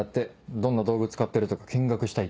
どんな道具使ってるとか見学したいって。